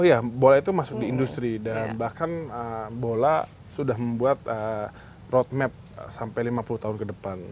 oh iya bola itu masuk di industri dan bahkan bola sudah membuat road map sampai lima puluh tahun kedepan